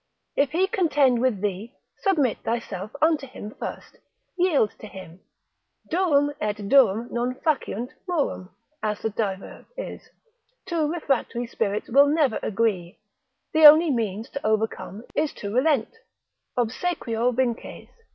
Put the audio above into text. If he contend with thee, submit thyself unto him first, yield to him. Durum et durum non faciunt murum, as the diverb is, two refractory spirits will never agree, the only means to overcome is to relent, obsequio vinces.